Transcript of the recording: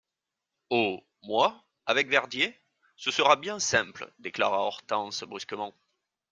Oh ! moi, avec Verdier, ce sera bien simple, déclara Hortense brusquement.